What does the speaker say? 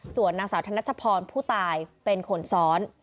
ส่วนนางสาวธนัชพรผู้ตายเป็นคนซ้อน